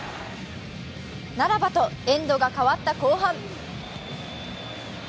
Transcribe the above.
ならばと、エンドが変わった後半。